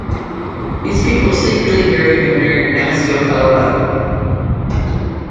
His people secretly buried him near Ignacio, Colorado.